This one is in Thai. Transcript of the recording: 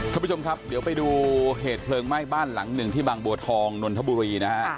ท่านผู้ชมครับเดี๋ยวไปดูเหตุเพลิงไหม้บ้านหลังหนึ่งที่บางบัวทองนนทบุรีนะฮะ